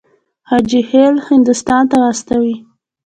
حاجي خلیل هندوستان ته واستوي.